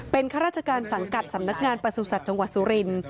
เป็นข้าราชการสังกัดสำนักงานประสุทธิ์จังหวัดสุรินทร์